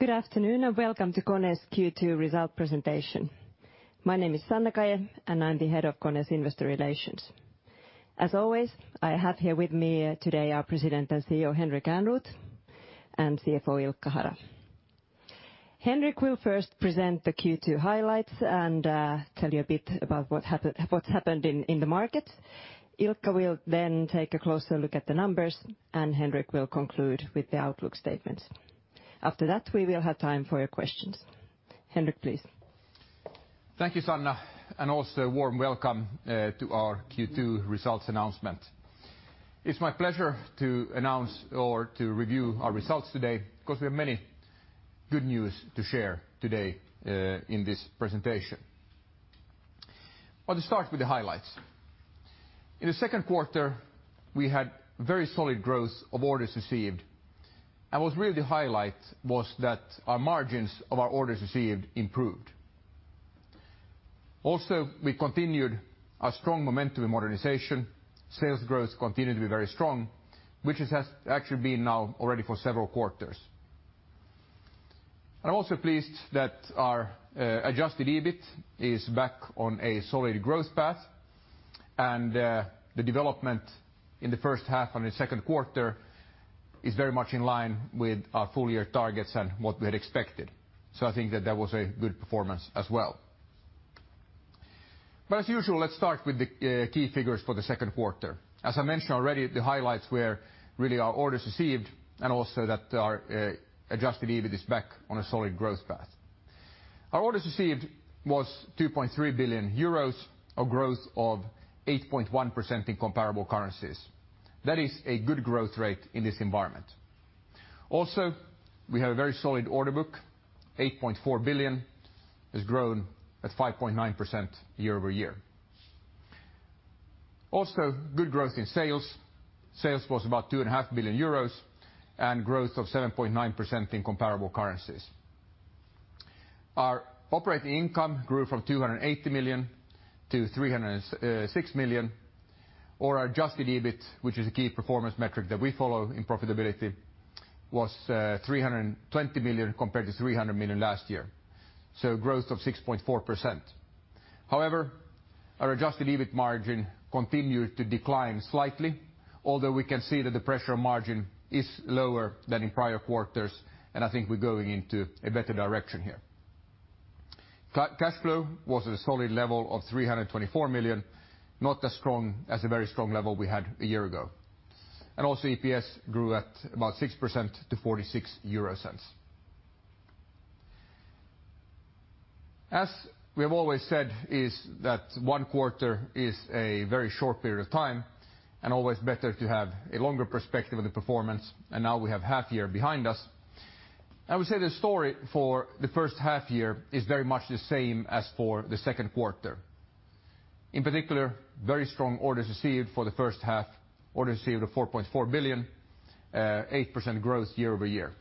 Good afternoon and welcome to KONE's Q2 result presentation. My name is Sanna Kaje and I'm the Head of KONE's Investor Relations. As always, I have here with me today our President and CEO, Henrik Ehrnrooth, and CFO, Ilkka Hara. Henrik will first present the Q2 highlights and tell you a bit about what happened in the market. Ilkka will then take a closer look at the numbers, Henrik will conclude with the outlook statements. After that, we will have time for your questions. Henrik, please. Thank you, Sanna, also warm welcome to our Q2 results announcement. It's my pleasure to announce or to review our results today because we have many good news to share today in this presentation. I want to start with the highlights. In the second quarter, we had very solid growth of orders received, what's really the highlight was that our margins of our orders received improved. We continued our strong momentum in modernization. Sales growth continued to be very strong, which it has actually been now already for several quarters. I'm also pleased that our adjusted EBIT is back on a solid growth path, the development in the first half and the second quarter is very much in line with our full year targets and what we had expected. I think that that was a good performance as well. As usual, let's start with the key figures for the second quarter. As I mentioned already, the highlights were really our orders received also that our adjusted EBIT is back on a solid growth path. Our orders received was 2.3 billion euros, a growth of 8.1% in comparable currencies. That is a good growth rate in this environment. We have a very solid order book, 8.4 billion, has grown at 5.9% year-over-year. Good growth in sales. Sales was about 2.5 billion euros growth of 7.9% in comparable currencies. Our operating income grew from 280 million to 306 million, our adjusted EBIT, which is a key performance metric that we follow in profitability, was 320 million compared to 300 million last year, growth of 6.4%. Our adjusted EBIT margin continued to decline slightly, although we can see that the pressure on margin is lower than in prior quarters, I think we're going into a better direction here. Cash flow was at a solid level of 324 million, not as strong as the very strong level we had a year ago. EPS grew at about 6% to 0.46. As we have always said is that one quarter is a very short period of time and always better to have a longer perspective of the performance. Now we have half year behind us. I would say the story for the first half year is very much the same as for the second quarter. In particular, very strong orders received for the first half. Orders received of 4.4 billion, 8% growth year-over-year.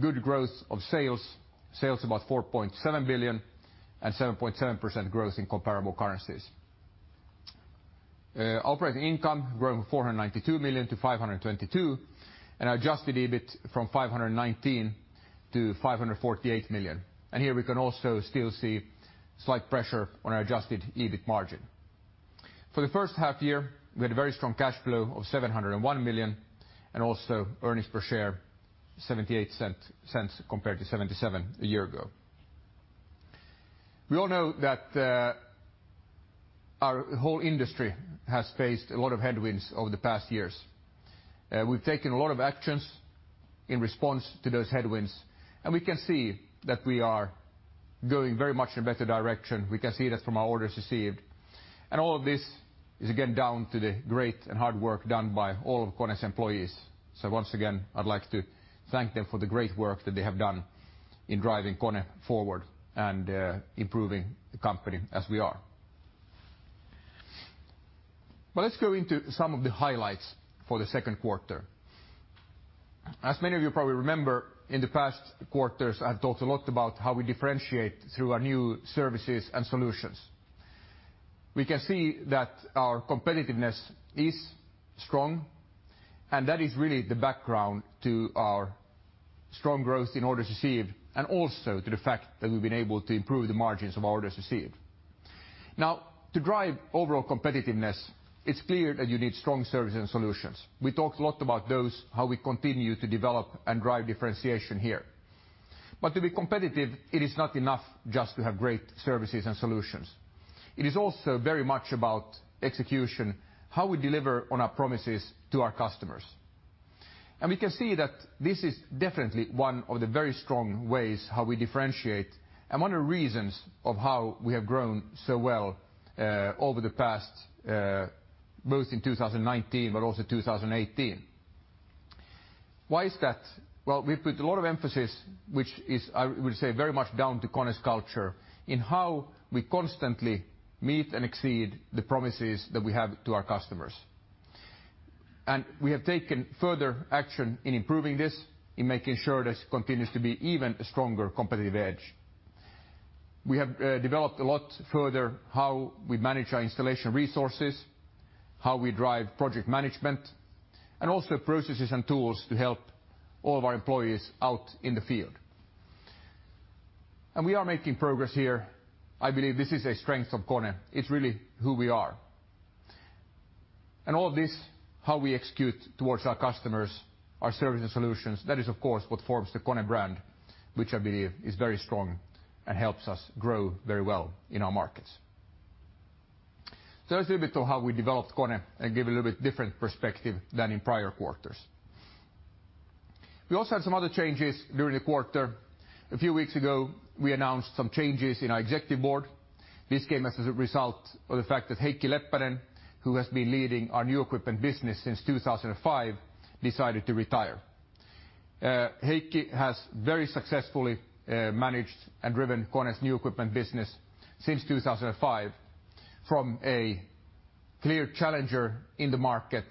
Good growth of sales. Sales about 4.7 billion and 7.7% growth in comparable currencies. Operating income grew from 492 million to 522 million, and our adjusted EBIT from 519 million to 548 million. Here we can also still see slight pressure on our adjusted EBIT margin. For the first half year, we had a very strong cash flow of 701 million and also earnings per share 0.78 compared to 0.77 a year ago. We all know that our whole industry has faced a lot of headwinds over the past years. We've taken a lot of actions in response to those headwinds, and we can see that we are going very much in a better direction. We can see that from our orders received. All of this is, again, down to the great and hard work done by all of KONE's employees. Once again, I'd like to thank them for the great work that they have done in driving KONE forward and improving the company as we are. Let's go into some of the highlights for the second quarter. As many of you probably remember, in the past quarters, I've talked a lot about how we differentiate through our new services and solutions. We can see that our competitiveness is strong, and that is really the background to our strong growth in orders received and also to the fact that we've been able to improve the margins of orders received. To drive overall competitiveness, it's clear that you need strong services and solutions. We talked a lot about those, how we continue to develop and drive differentiation here. To be competitive, it is not enough just to have great services and solutions. It is also very much about execution, how we deliver on our promises to our customers. We can see that this is definitely one of the very strong ways how we differentiate and one of the reasons of how we have grown so well over the past, both in 2019, but also 2018. Why is that? We've put a lot of emphasis, which is, I would say, very much down to KONE's culture in how we constantly meet and exceed the promises that we have to our customers. We have taken further action in improving this, in making sure this continues to be even a stronger competitive edge. We have developed a lot further how we manage our installation resources, how we drive project management, and also processes and tools to help all of our employees out in the field. We are making progress here. I believe this is a strength of KONE. It's really who we are. All this, how we execute towards our customers, our service and solutions, that is, of course, what forms the KONE brand, which I believe is very strong and helps us grow very well in our markets. That's a little bit to how we developed KONE and give a little bit different perspective than in prior quarters. We also had some other changes during the quarter. A few weeks ago, we announced some changes in our executive board. This came as a result of the fact that Heikki Leppänen, who has been leading our new equipment business since 2005, decided to retire. Heikki has very successfully managed and driven KONE's new equipment business since 2005, from a clear challenger in the market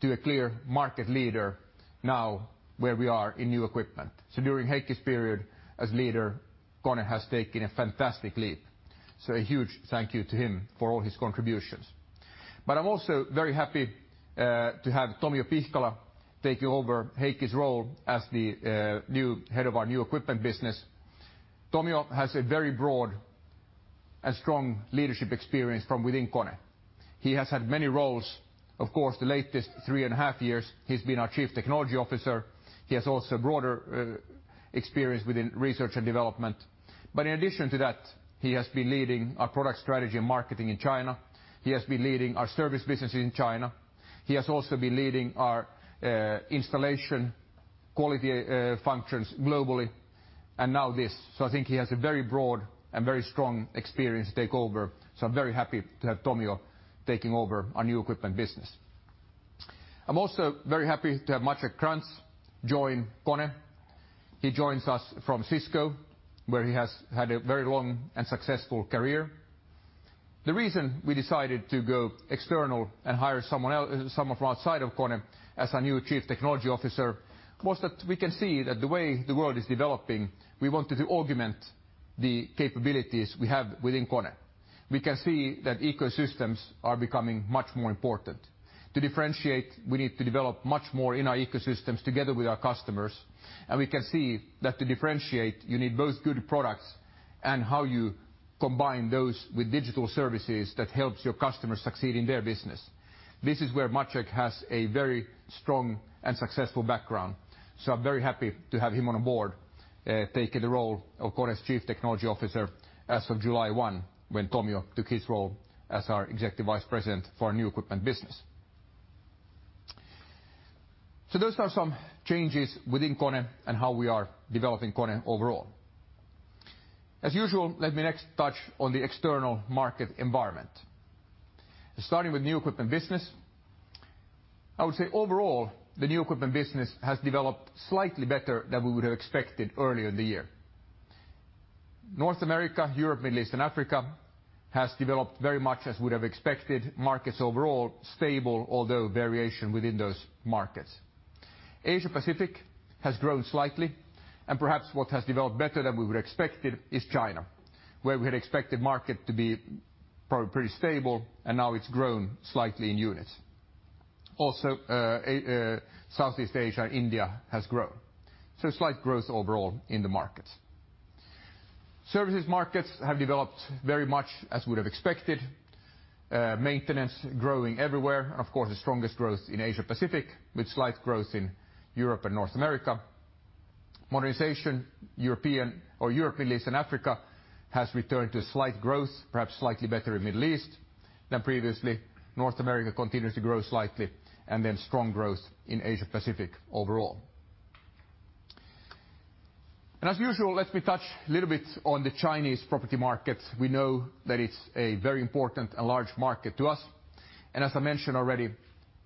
to a clear market leader now where we are in new equipment. During Heikki's period as leader, KONE has taken a fantastic leap. A huge thank you to him for all his contributions. I'm also very happy to have Tomio Pihkala taking over Heikki's role as the new head of our new equipment business. Tomio has a very broad and strong leadership experience from within KONE. He has had many roles. Of course, the latest three and a half years, he's been our Chief Technology Officer. He has also broader experience within research and development. In addition to that, he has been leading our product strategy and marketing in China. He has been leading our service business in China. He has also been leading our installation quality functions globally, and now this. I think he has a very broad and very strong experience to take over. I'm very happy to have Tomio taking over our new equipment business. I'm also very happy to have Maciej Kranz join KONE. He joins us from Cisco, where he has had a very long and successful career. The reason we decided to go external and hire someone else, someone from outside of KONE as our new Chief Technology Officer, was that we can see that the way the world is developing, we wanted to augment the capabilities we have within KONE. We can see that ecosystems are becoming much more important. To differentiate, we need to develop much more in our ecosystems together with our customers, and we can see that to differentiate, you need both good products and how you combine those with digital services that helps your customers succeed in their business. This is where Maciej has a very strong and successful background. I'm very happy to have him on board, taking the role of KONE's Chief Technology Officer as of July 1, when Tomio took his role as our Executive Vice President for our new equipment business. Those are some changes within KONE and how we are developing KONE overall. As usual, let me next touch on the external market environment. Starting with new equipment business, I would say overall, the new equipment business has developed slightly better than we would have expected earlier in the year. North America, Europe, Middle East, and Africa has developed very much as we would have expected. Markets overall stable, although variation within those markets. Asia Pacific has grown slightly, and perhaps what has developed better than we would expected is China, where we had expected market to be probably pretty stable, and now it's grown slightly in units. Also, Southeast Asia and India has grown. Slight growth overall in the markets. Services markets have developed very much as we would have expected. Maintenance growing everywhere. Of course, the strongest growth in Asia Pacific, with slight growth in Europe and North America. Modernization, European or Europe, Middle East and Africa has returned to slight growth, perhaps slightly better in Middle East than previously. North America continues to grow slightly, and then strong growth in Asia Pacific overall. As usual, let me touch a little bit on the Chinese property market. We know that it's a very important and large market to us. As I mentioned already,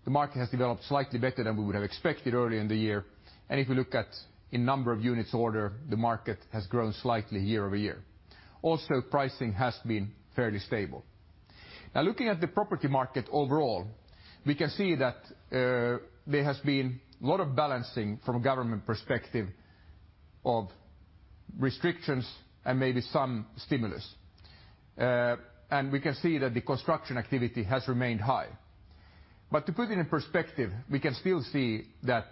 the market has developed slightly better than we would have expected early in the year. If we look at in number of units order, the market has grown slightly year-over-year. Also, pricing has been fairly stable. Now looking at the property market overall, we can see that there has been a lot of balancing from a government perspective of restrictions and maybe some stimulus. We can see that the construction activity has remained high. To put it in perspective, we can still see that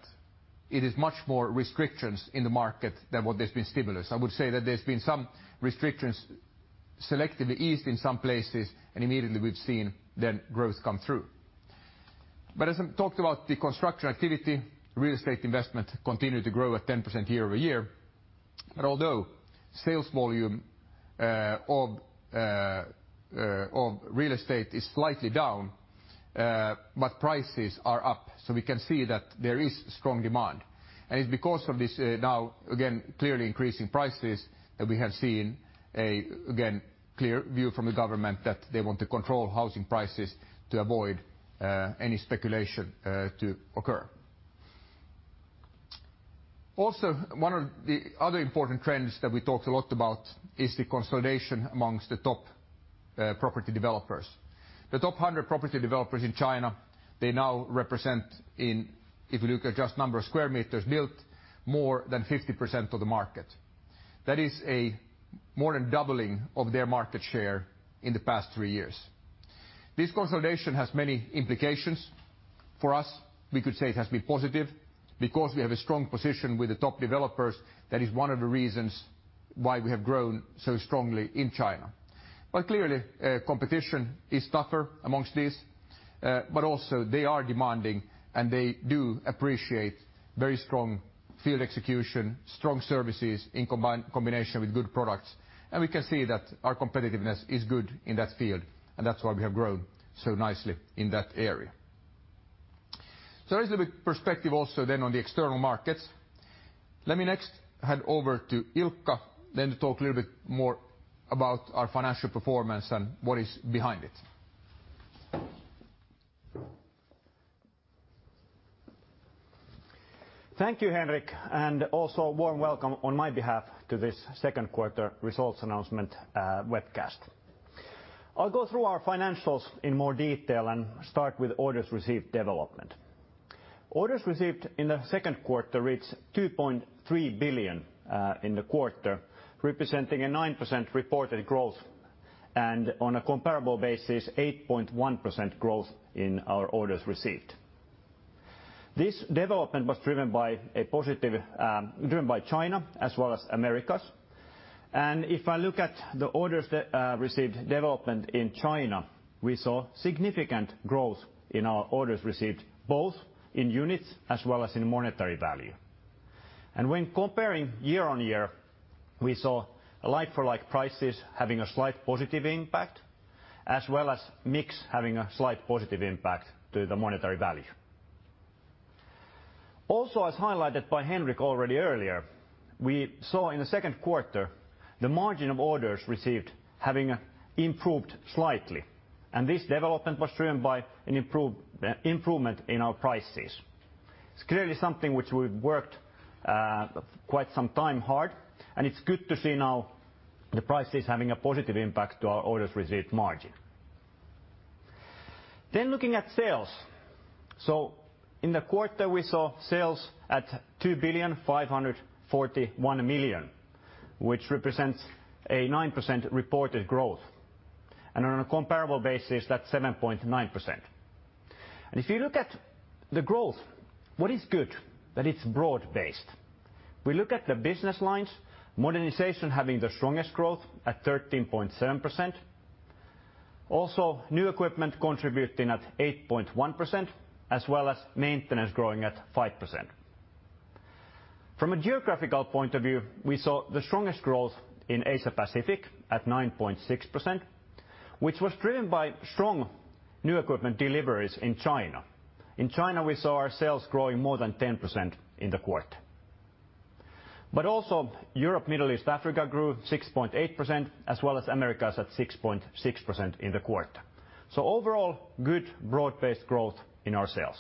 it is much more restrictions in the market than what there's been stimulus. I would say that there's been some restrictions selectively eased in some places, immediately we've seen growth come through. As I talked about the construction activity, real estate investment continued to grow at 10% year-over-year. Although sales volume of real estate is slightly down, prices are up, we can see that there is strong demand. It's because of this now, again, clearly increasing prices that we have seen a, again, clear view from the government that they want to control housing prices to avoid any speculation to occur. Also, one of the other important trends that we talked a lot about is the consolidation amongst the top property developers. The top 100 property developers in China, they now represent, if you look at just number of square meters built, more than 50% of the market. That is a more than doubling of their market share in the past three years. This consolidation has many implications. For us, we could say it has been positive because we have a strong position with the top developers. That is one of the reasons why we have grown so strongly in China. Clearly, competition is tougher amongst these. Also, they are demanding, and they do appreciate very strong field execution, strong services in combination with good products. We can see that our competitiveness is good in that field, and that's why we have grown so nicely in that area. There is a bit perspective also on the external markets. Let me next hand over to Ilkka, to talk a little bit more about our financial performance and what is behind it. Thank you, Henrik, also warm welcome on my behalf to this second quarter results announcement webcast. I'll go through our financials in more detail and start with orders received development. Orders received in the second quarter reached 2.3 billion in the quarter, representing a 9% reported growth, on a comparable basis, 8.1% growth in our orders received. This development was driven by China as well as Americas. If I look at the orders that are received development in China, we saw significant growth in our orders received, both in units as well as in monetary value. When comparing year-on-year, we saw like for like prices having a slight positive impact, as well as mix having a slight positive impact to the monetary value. As highlighted by Henrik already earlier, we saw in the second quarter the margin of orders received having improved slightly, and this development was driven by an improvement in our prices. It's clearly something which we've worked quite some time hard, and it's good to see now the prices having a positive impact to our orders received margin. Looking at sales. In the quarter, we saw sales at 2,541 million, which represents a 9% reported growth. On a comparable basis, that's 7.9%. If you look at the growth, what is good that it's broad based. We look at the business lines, modernization having the strongest growth at 13.7%. Also, new equipment contributing at 8.1%, as well as maintenance growing at 5%. From a geographical point of view, we saw the strongest growth in Asia Pacific at 9.6%, which was driven by strong new equipment deliveries in China. In China, we saw our sales growing more than 10% in the quarter. Also Europe, Middle East, Africa grew 6.8%, as well as Americas at 6.6% in the quarter. Overall, good broad-based growth in our sales.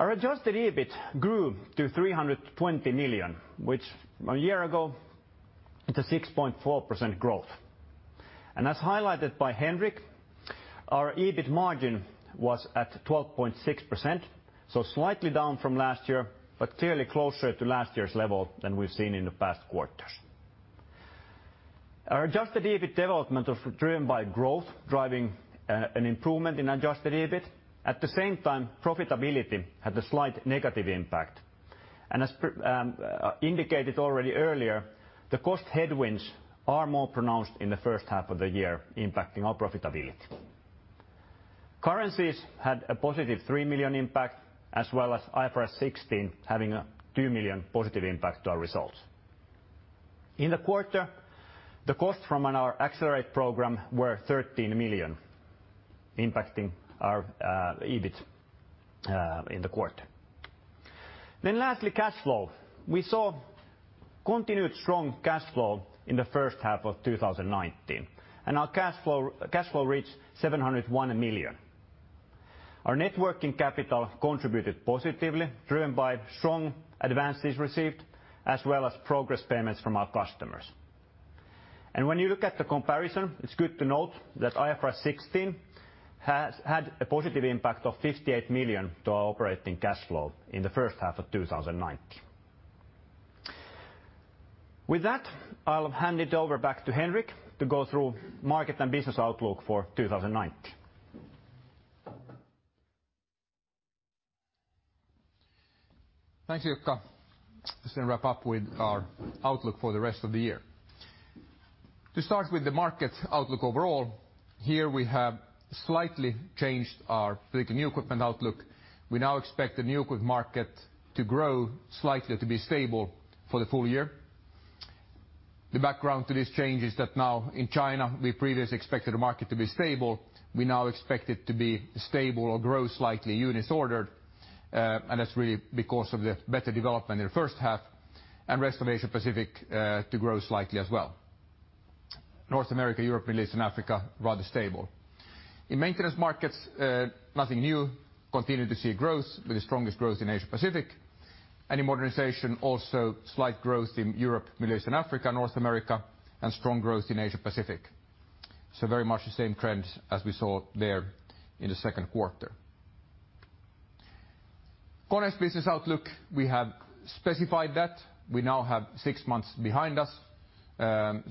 Our adjusted EBIT grew to 320 million, which a year ago it's a 6.4% growth. As highlighted by Henrik, our EBIT margin was at 12.6%, so slightly down from last year, but clearly closer to last year's level than we've seen in the past quarters. Our adjusted EBIT development was driven by growth driving an improvement in adjusted EBIT. At the same time, profitability had a slight negative impact. As indicated already earlier, the cost headwinds are more pronounced in the first half of the year impacting our profitability. Currencies had a positive 3 million impact, as well as IFRS 16 having a 2 million positive impact to our results. In the quarter, the cost from our Accelerate program were 13 million impacting our EBIT in the quarter. Lastly, cash flow. We saw continued strong cash flow in the first half of 2019. Our cash flow reached 701 million. Our net working capital contributed positively, driven by strong advances received, as well as progress payments from our customers. When you look at the comparison, it's good to note that IFRS 16 had a positive impact of 58 million to our operating cash flow in the first half of 2019. With that, I'll hand it over back to Henrik to go through market and business outlook for 2019. Thanks, Ilkka. Just going to wrap up with our outlook for the rest of the year. Starting with the market outlook overall, here we have slightly changed our new equipment outlook. We now expect the new equipment market to grow slightly to be stable for the full year. The background to this change is that now in China, we previously expected the market to be stable. We now expect it to be stable or grow slightly units ordered, and that's really because of the better development in the first half and rest of Asia Pacific to grow slightly as well. North America, Europe, Middle East, and Africa, rather stable. In maintenance markets, nothing new. Continue to see growth, with the strongest growth in Asia Pacific. In modernization also slight growth in Europe, Middle East and Africa, North America, and strong growth in Asia Pacific. Very much the same trends as we saw there in the second quarter. KONE's business outlook, we have specified that. We now have six months behind us.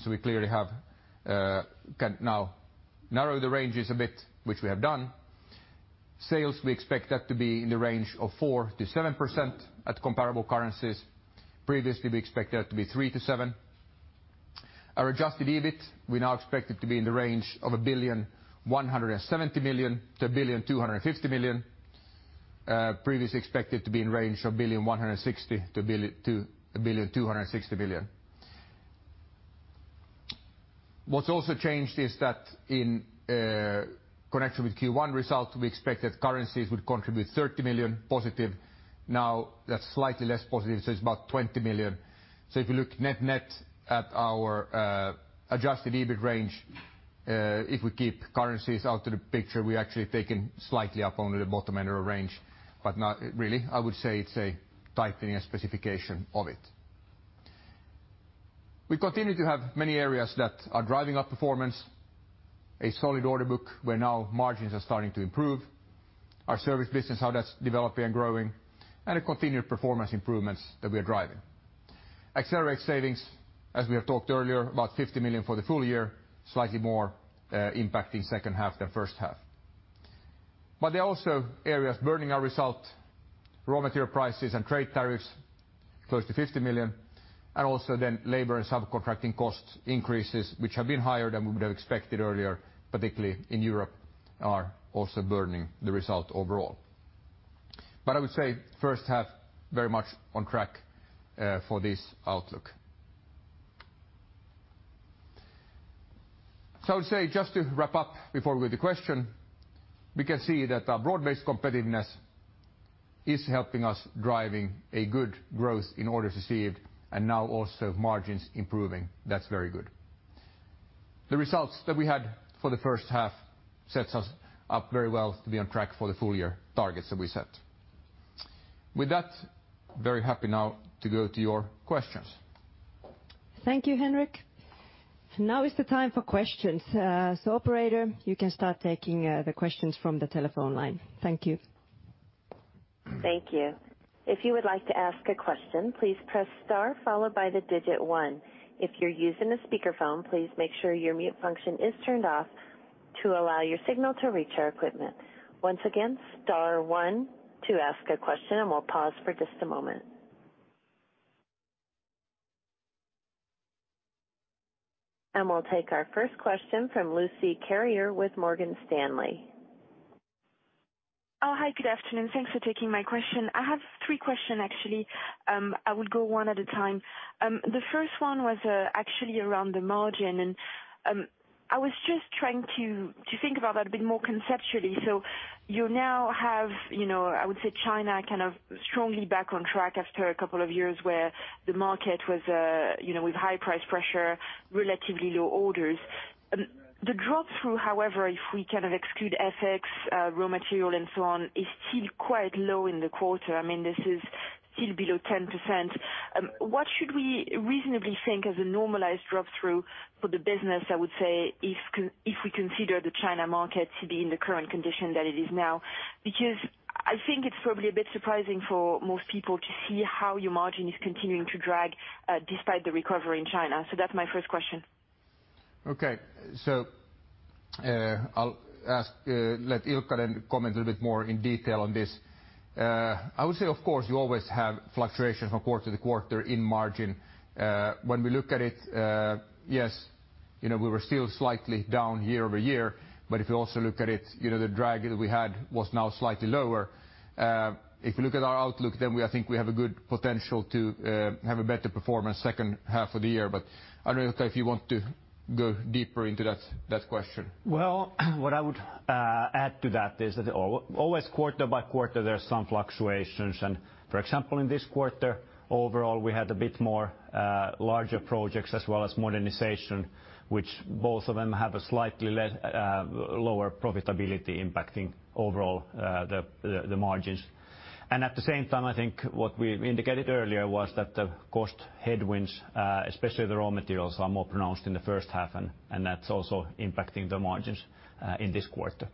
We clearly can now narrow the ranges a bit, which we have done. Sales, we expect that to be in the range of 4%-7% at comparable currencies. Previously, we expected that to be 3%-7%. Our adjusted EBIT, we now expect it to be in the range of 1.17 billion-1.25 billion. Previous expected to be in range of 1.16 billion-1.26 billion. What's also changed is that in connection with Q1 results, we expect that currencies would contribute +30 million. Now that's slightly less positive, it's about 20 million. If you look net-net at our adjusted EBIT range, if we keep currencies out of the picture, we're actually taken slightly up only the bottom end of the range, but not really. I would say it's a tightening and specification of it. We continue to have many areas that are driving up performance, a solid order book where now margins are starting to improve. Our service business, how that's developing and growing, and a continued performance improvements that we are driving. Accelerate savings, as we have talked earlier, about 50 million for the full year, slightly more, impacting second half than first half. There are also areas burdening our result, raw material prices and trade tariffs, close to 50 million, and also then labor and subcontracting costs increases, which have been higher than we would have expected earlier, particularly in Europe, are also burdening the result overall. I would say first half very much on track for this outlook. I would say just to wrap up before we go to question, we can see that our broad-based competitiveness is helping us driving a good growth in orders received, and now also margins improving. That's very good. The results that we had for the first half sets us up very well to be on track for the full-year targets that we set. With that, very happy now to go to your questions. Thank you, Henrik. Now is the time for questions. Operator, you can start taking the questions from the telephone line. Thank you. Thank you. If you would like to ask a question, please press star followed by the digit one. If you're using a speakerphone, please make sure your mute function is turned off to allow your signal to reach our equipment. Once again, star one to ask a question, we'll pause for just a moment. We'll take our first question from Lucie Carrier with Morgan Stanley. Oh, hi. Good afternoon. Thanks for taking my question. I have three question, actually. I would go one at a time. The first one was actually around the margin, I was just trying to think about that a bit more conceptually. You now have, I would say China kind of strongly back on track after a couple of years where the market was with high price pressure, relatively low orders. The drop-through, however, if we kind of exclude FX, raw material, and so on, is still quite low in the quarter. This is still below 10%. What should we reasonably think as a normalized drop-through for the business, I would say, if we consider the China market to be in the current condition that it is now? I think it's probably a bit surprising for most people to see how your margin is continuing to drag, despite the recovery in China. That's my first question. I'll let Ilkka comment a little bit more in detail on this. I would say, of course, you always have fluctuations from quarter to quarter in margin. When we look at it, yes, we were still slightly down year-over-year, if you also look at it, the drag that we had was now slightly lower. If you look at our outlook, I think we have a good potential to have a better performance second half of the year. I don't know, Ilkka, if you want to go deeper into that question. Well, what I would add to that is that always quarter by quarter, there are some fluctuations. For example, in this quarter, overall, we had a bit more larger projects as well as modernization, which both of them have a slightly less lower profitability impacting overall the margins. At the same time, I think what we indicated earlier was that the cost headwinds, especially the raw materials, are more pronounced in the first half, and that's also impacting the margins in this quarter.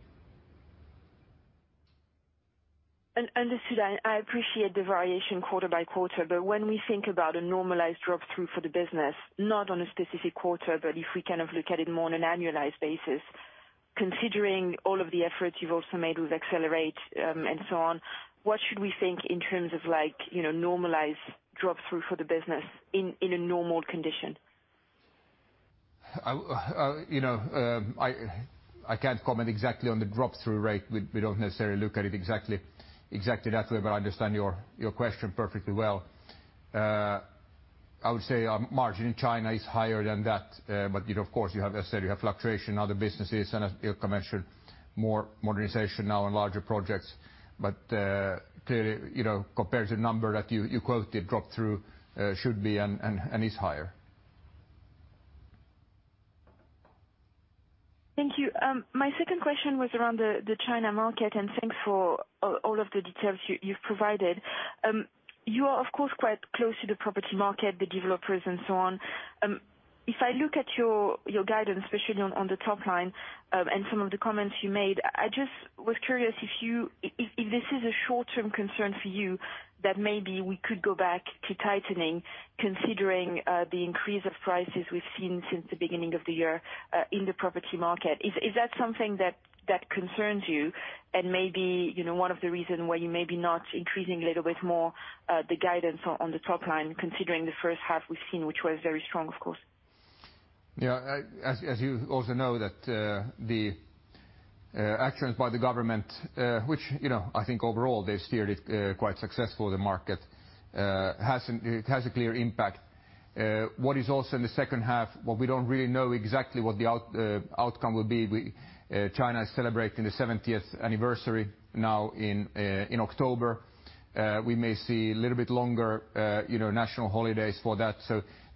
Understood. I appreciate the variation quarter by quarter, but when we think about a normalized drop-through for the business, not on a specific quarter, but if we kind of look at it more on an annualized basis, considering all of the efforts you've also made with Accelerate, and so on, what should we think in terms of normalized drop-through for the business in a normal condition? I can't comment exactly on the drop-through rate. We don't necessarily look at it exactly that way, but I understand your question perfectly well. I would say our margin in China is higher than that. Of course, you have said you have fluctuation in other businesses, and as Ilkka mentioned, more modernization now and larger projects. The comparative number that you quoted, drop-through, should be and is higher. Thank you. My second question was around the China market, and thanks for all of the details you've provided. You are, of course, quite close to the property market, the developers, and so on. If I look at your guidance, especially on the top line, and some of the comments you made, I just was curious if this is a short-term concern for you, that maybe we could go back to tightening considering the increase of prices we've seen since the beginning of the year in the property market. Is that something that concerns you and maybe one of the reasons why you're maybe not increasing a little bit more the guidance on the top line, considering the first half we've seen, which was very strong, of course? Yeah. As you also know that the actions by the government, which I think overall they've steered it quite successfully, the market. It has a clear impact. What is also in the second half, what we don't really know exactly what the outcome will be. China is celebrating the 70th anniversary now in October. We may see a little bit longer national holidays for that.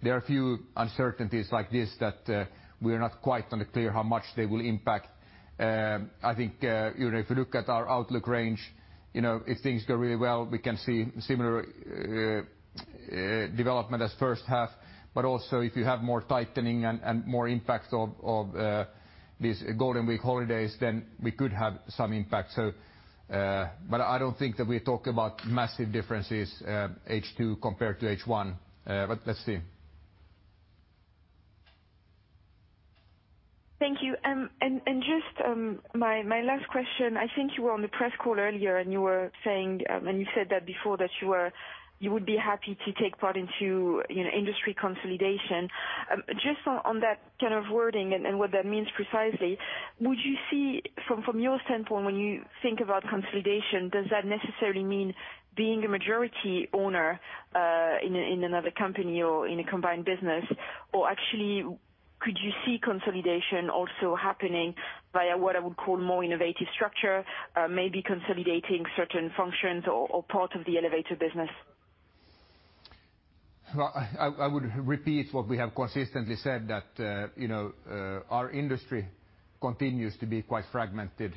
There are a few uncertainties like this that we are not quite clear how much they will impact. I think if you look at our outlook range, if things go really well, we can see similar development as first half, but also if you have more tightening and more impacts of these Golden Week holidays, then we could have some impact. I don't think that we're talking about massive differences H2 compared to H1, but let's see. Thank you. Just my last question, I think you were on the press call earlier, and you said that before that you would be happy to take part into industry consolidation. Just on that kind of wording and what that means precisely, would you see from your standpoint when you think about consolidation, does that necessarily mean being a majority owner in another company or in a combined business, or actually, could you see consolidation also happening via what I would call more innovative structure, maybe consolidating certain functions or part of the elevator business? I would repeat what we have consistently said that our industry continues to be quite fragmented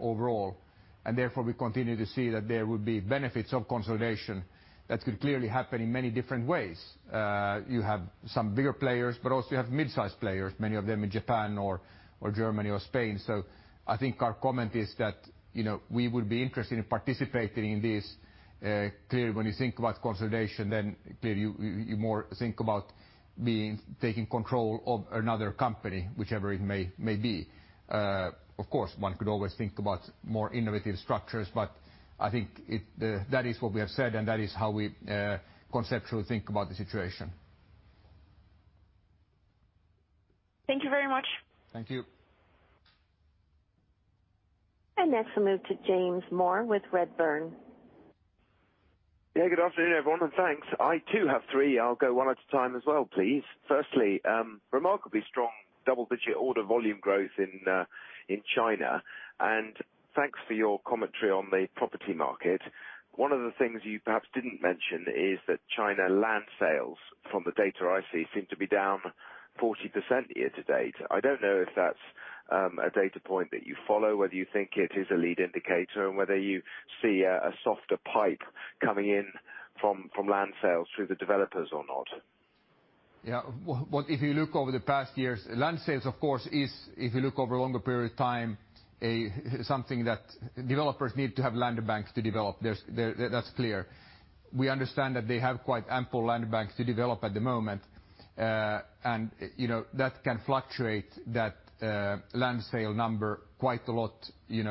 overall, and therefore we continue to see that there will be benefits of consolidation that could clearly happen in many different ways. You have some bigger players, but also you have mid-size players, many of them in Japan or Germany or Spain. I think our comment is that we would be interested in participating in this. Clearly, when you think about consolidation, then clearly you more think about taking control of another company, whichever it may be. Of course, one could always think about more innovative structures, but I think that is what we have said, and that is how we conceptually think about the situation. Thank you very much. Thank you. Next we move to James Moore with Redburn. Good afternoon, everyone, and thanks. I too have three. I'll go one at a time as well, please. Firstly, remarkably strong double-digit order volume growth in China. Thanks for your commentary on the property market. One of the things you perhaps didn't mention is that China land sales, from the data I see, seem to be down 40% year to date. I don't know if that's a data point that you follow, whether you think it is a lead indicator, and whether you see a softer pipe coming in from land sales through the developers or not. If you look over the past years, land sales, of course, is if you look over a longer period of time, something that developers need to have land banks to develop. That's clear. We understand that they have quite ample land banks to develop at the moment, and that can fluctuate that land sale number quite a lot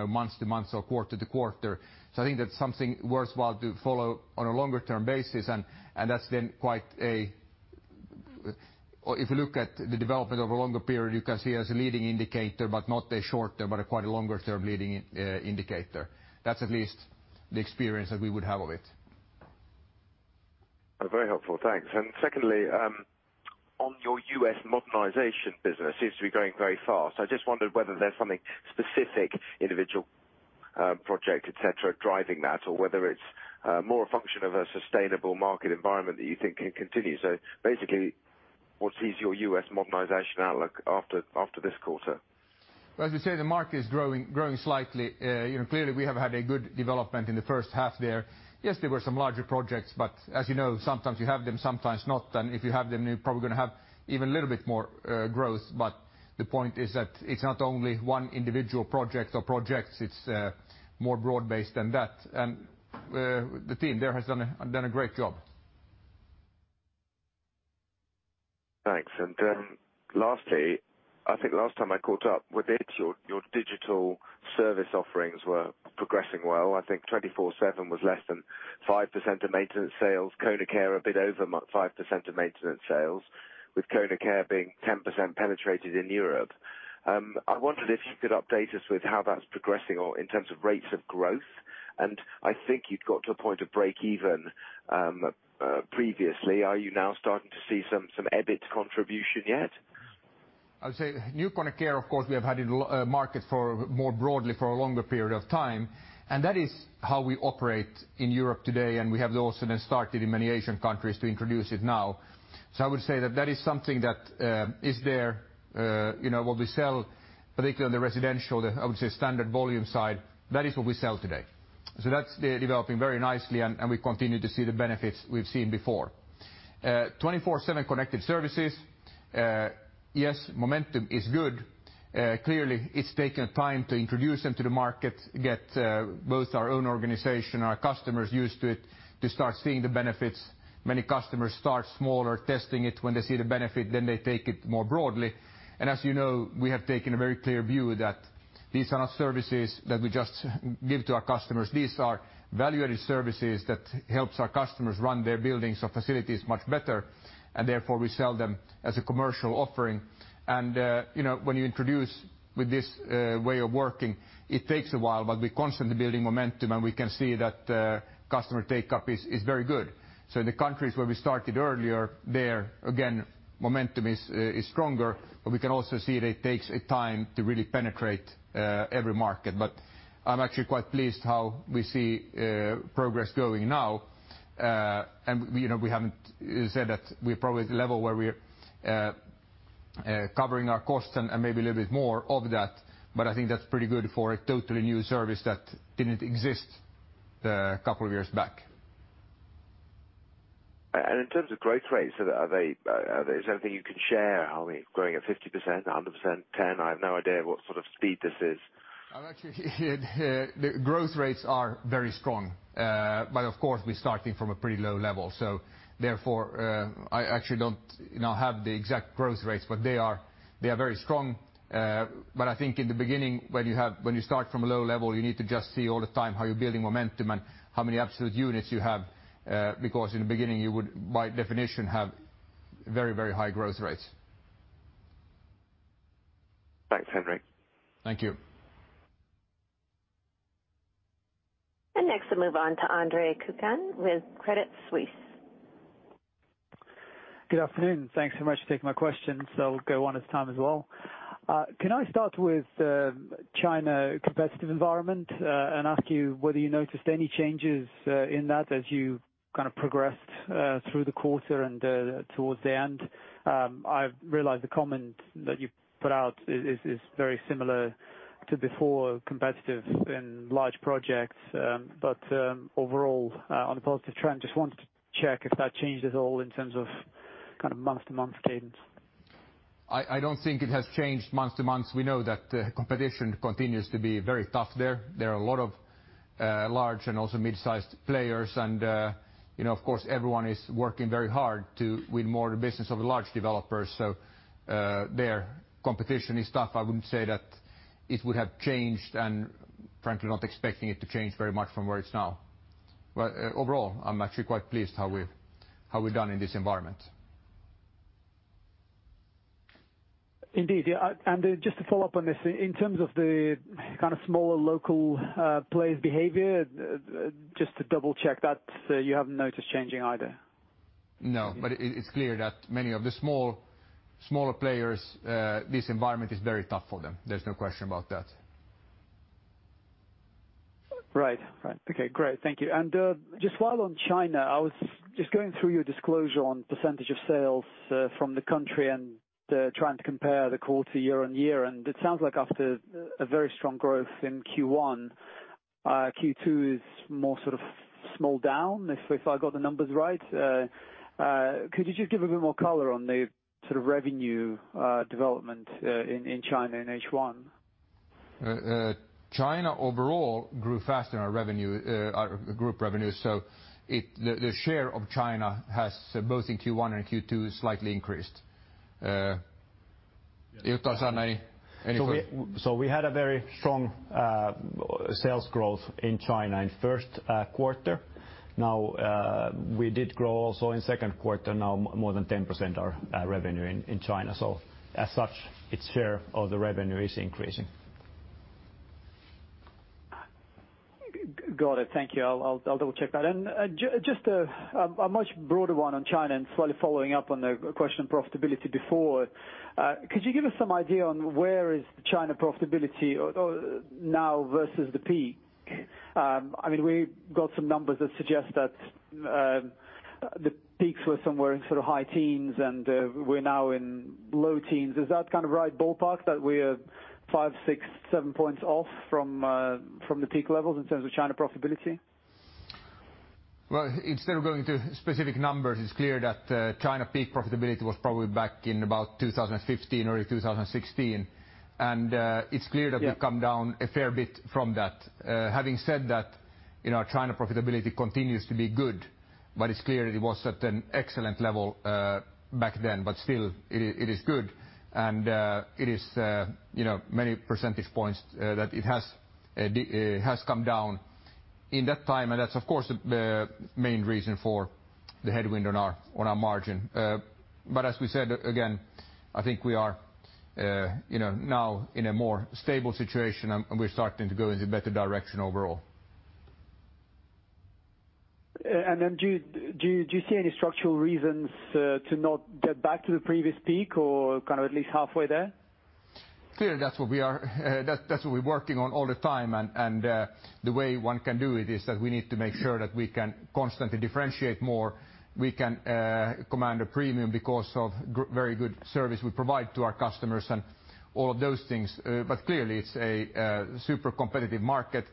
month to month or quarter to quarter. I think that's something worthwhile to follow on a longer-term basis, and that's then. If you look at the development over a longer period, you can see as a leading indicator, but not a short term, but a quite longer-term leading indicator. That's at least the experience that we would have of it. Very helpful, thanks. Secondly, on your U.S. modernization business, seems to be going very fast. I just wondered whether there's something specific, individual project, et cetera, driving that or whether it's more a function of a sustainable market environment that you think can continue. Basically, what's your U.S. modernization outlook after this quarter? As we say, the market is growing slightly. Clearly, we have had a good development in the first half there. Yes, there were some larger projects, but as you know, sometimes you have them, sometimes not. If you have them, you're probably going to have even a little bit more growth. The point is that it's not only one individual project or projects, it's more broad-based than that. The team there has done a great job. Thanks. Lastly, I think last time I caught up with it, your digital service offerings were progressing well. I think 24/7 was less than 5% of maintenance sales, KONE Care a bit over 5% of maintenance sales, with KONE Care being 10% penetrated in Europe. I wondered if you could update us with how that's progressing or in terms of rates of growth. I think you'd got to a point of break even previously. Are you now starting to see some EBIT contribution yet? I would say new KONE Care, of course, we have had in the market more broadly for a longer period of time, that is how we operate in Europe today, we have also started in many Asian countries to introduce it now. I would say that that is something that is there. What we sell, particularly on the residential, I would say standard volume side, that is what we sell today. So that's developing very nicely, and we continue to see the benefits we've seen before. 24/7 Connected Services, yes, momentum is good. Clearly, it's taken time to introduce them to the market, get both our own organization, our customers used to it to start seeing the benefits. Many customers start smaller, testing it. When they see the benefit, they take it more broadly. As you know, we have taken a very clear view that these are not services that we just give to our customers. These are value-added services that helps our customers run their buildings or facilities much better. Therefore, we sell them as a commercial offering. When you introduce with this way of working, it takes a while, but we're constantly building momentum, and we can see that customer take-up is very good. The countries where we started earlier, there, again, momentum is stronger. We can also see that it takes time to really penetrate every market. I'm actually quite pleased how we see progress going now. We haven't said that we're probably at the level where we're covering our costs and maybe a little bit more of that, but I think that's pretty good for a totally new service that didn't exist a couple of years back. In terms of growth rates, is there something you can share? Are we growing at 50%, 110%? I have no idea what sort of speed this is. Actually, the growth rates are very strong. Of course, we're starting from a pretty low level. Therefore, I actually don't have the exact growth rates, but they are very strong. I think in the beginning, when you start from a low level, you need to just see all the time how you're building momentum and how many absolute units you have, because in the beginning, you would, by definition, have very high growth rates. Thanks, Henrik. Thank you. Next we'll move on to Andre Kukhnin with Credit Suisse. Good afternoon. Thanks so much for taking my question, so I'll go on as time as well. Can I start with China competitive environment, and ask you whether you noticed any changes in that as you kind of progressed through the quarter and towards the end? I've realized the comment that you've put out is very similar to before, competitive in large projects, but overall on a positive trend. Just wanted to check if that changed at all in terms of kind of month-to-month cadence. I don't think it has changed month-to-month. We know that competition continues to be very tough there. There are a lot of large and also mid-sized players. Of course, everyone is working very hard to win more of the business of the large developers. There, competition is tough. I wouldn't say that it would have changed, and frankly, not expecting it to change very much from where it's now. Overall, I'm actually quite pleased how we've done in this environment. Indeed. Just to follow up on this, in terms of the kind of smaller local players' behavior, just to double-check that you haven't noticed changing either? No, it's clear that many of the smaller players, this environment is very tough for them. There's no question about that. Right. Okay, great. Thank you. Just while on China, I was just going through your disclosure on percentage of sales from the country and trying to compare the quarter year-on-year, it sounds like after a very strong growth in Q1, Q2 is more sort of small down, if I got the numbers right. Could you just give a bit more color on the sort of revenue development in China in H1? China overall grew faster in our group revenues. The share of China has, both in Q1 and Q2, slightly increased. We had a very strong sales growth in China in first quarter. Now we did grow also in second quarter, now more than 10% our revenue in China. As such, its share of the revenue is increasing. Got it. Thank you. I'll double-check that. Just a much broader one on China and slightly following up on the question of profitability before. Could you give us some idea on where is China profitability now versus the peak? We got some numbers that suggest that the peaks were somewhere in sort of high teens, and we're now in low teens. Is that kind of right ballpark, that we're 5, 6, 7 points off from the peak levels in terms of China profitability? Well, instead of going to specific numbers, it's clear that China peak profitability was probably back in about 2015 or 2016. It's clear that we've come down a fair bit from that. Having said that, our China profitability continues to be good, but it's clear it was at an excellent level back then. Still, it is good. It is many percentage points that it has come down in that time, and that's of course, the main reason for the headwind on our margin. As we said, again, I think we are now in a more stable situation, and we're starting to go in the better direction overall. Do you see any structural reasons to not get back to the previous peak or kind of at least halfway there? Clearly, that's what we're working on all the time. The way one can do it is that we need to make sure that we can constantly differentiate more. We can command a premium because of very good service we provide to our customers and all of those things. Clearly, it's a super competitive market,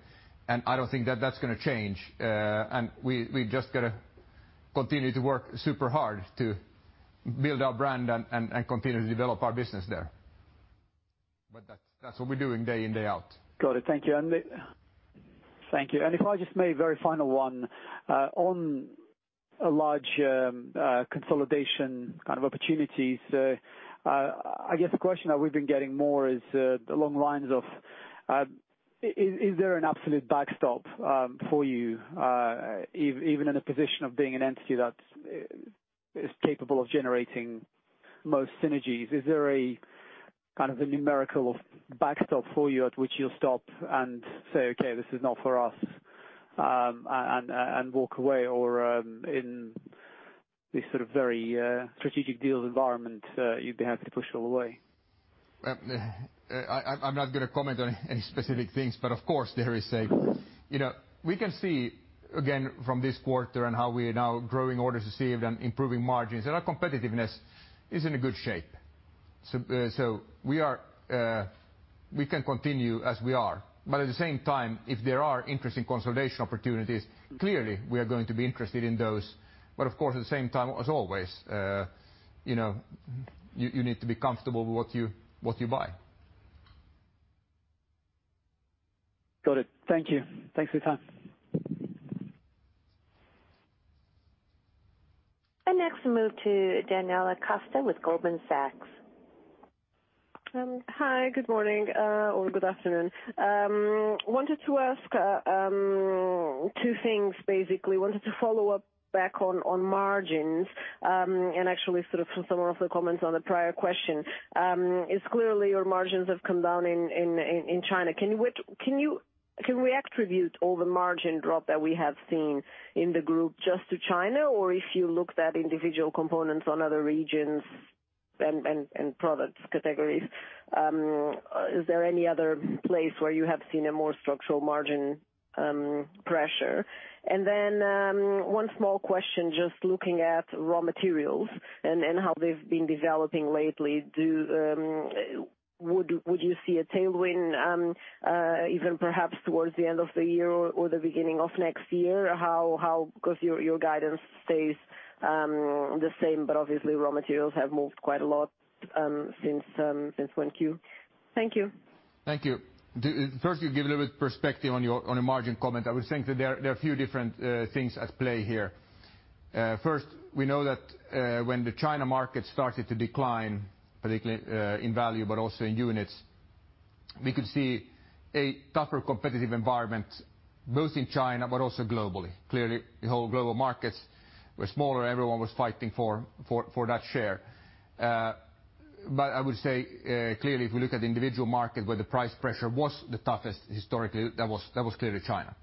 and I don't think that that's going to change. We just got to continue to work super hard to build our brand and continue to develop our business there. That's what we're doing day in, day out. Got it. Thank you. If I just may, very final one, on a large consolidation kind of opportunities, I guess the question that we've been getting more is along the lines of, is there an absolute backstop for you, even in a position of being an entity that is capable of generating most synergies? Is there a numerical backstop for you at which you'll stop and say, "Okay, this is not for us," and walk away? Or in this sort of very strategic deals environment, you'd be happy to push all the way? I'm not going to comment on any specific things, of course. We can see, again, from this quarter and how we are now growing orders received and improving margins, and our competitiveness is in a good shape. We can continue as we are. At the same time, if there are interesting consolidation opportunities, clearly we are going to be interested in those. Of course, at the same time, as always, you need to be comfortable with what you buy. Got it. Thank you. Thanks for your time. Next we'll move to Daniela Costa with Goldman Sachs. Hi, good morning or good afternoon. Wanted to ask two things, basically. Wanted to follow up back on margins, and actually sort of some of the comments on the prior question. It's clearly your margins have come down in China. Can we attribute all the margin drop that we have seen in the group just to China? Or if you looked at individual components on other regions and products categories, is there any other place where you have seen a more structural margin pressure? One small question, just looking at raw materials and how they've been developing lately. Would you see a tailwind, even perhaps towards the end of the year or the beginning of next year? Because your guidance stays the same, but obviously raw materials have moved quite a lot since 1Q. Thank you. Thank you. First, to give a little bit perspective on the margin comment, I would say that there are a few different things at play here. First, we know that when the China market started to decline, particularly in value, but also in units, we could see a tougher competitive environment, both in China but also globally. Clearly, the whole global markets were smaller. Everyone was fighting for that share. I would say, clearly, if we look at the individual market where the price pressure was the toughest historically, that was clearly China.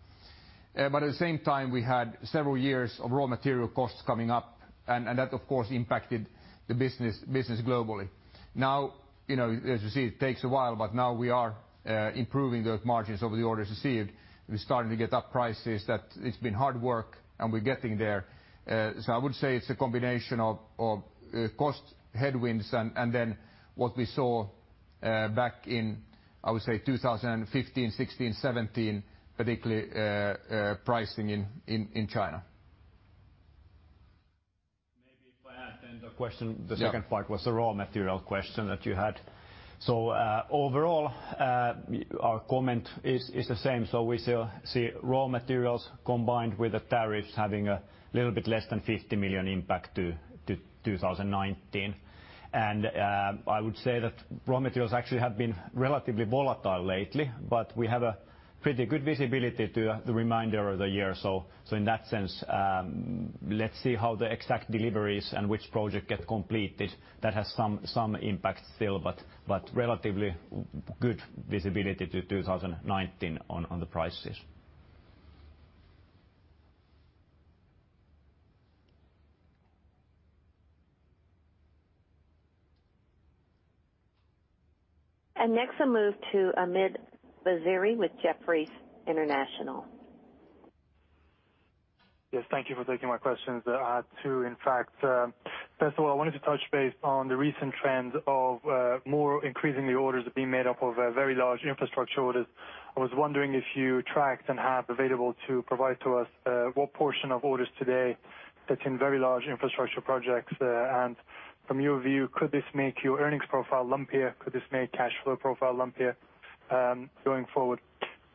At the same time, we had several years of raw material costs coming up, and that, of course, impacted the business globally. Now, as you see, it takes a while, but now we are improving those margins over the orders received. We're starting to get up prices. It's been hard work and we're getting there. I would say it's a combination of cost headwinds and then what we saw back in, I would say 2015, 2016, 2017, particularly pricing in China. Maybe if I add, then the question- Yeah. The second part was the raw material question that you had. Overall, our comment is the same. We still see raw materials combined with the tariffs having a little bit less than 50 million impact to 2019. I would say that raw materials actually have been relatively volatile lately, but we have a pretty good visibility to the remainder of the year. In that sense, let's see how the exact deliveries and which project get completed. That has some impact still, but relatively good visibility to 2019 on the prices. Next I move to Omid Vaziri with Jefferies International. Yes, thank you for taking my questions, I had two in fact. First of all, I wanted to touch base on the recent trends of more increasingly orders being made up of very large infrastructure orders. I was wondering if you tracked and have available to provide to us what portion of orders today sits in very large infrastructure projects. From your view, could this make your earnings profile lumpier? Could this make cash flow profile lumpier going forward?